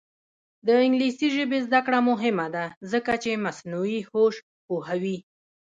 د انګلیسي ژبې زده کړه مهمه ده ځکه چې مصنوعي هوش پوهوي.